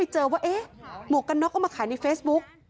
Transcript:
หมวกกระน็อกก็มาขายในเฟซบุ๊ค